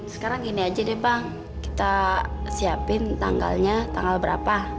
sekarang gini aja deh bang kita siapin tanggalnya tanggal berapa